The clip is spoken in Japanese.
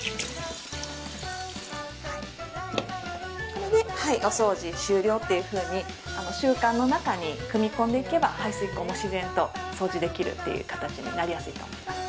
これでお掃除終了というふうに、習慣の中に組み込んでいけば、排水口も自然と掃除できるっていう形になりやすいと思います。